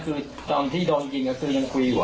เข้ามากู้เรา